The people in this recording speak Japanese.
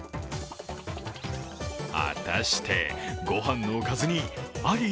果たして、ご飯のおかずにアリ？